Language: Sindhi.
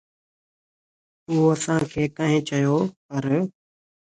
اهو اسان کي ڪنهن چيو، پر